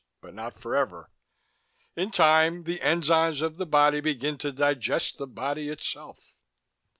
But not forever. In time the enzymes of the body begin to digest the body itself."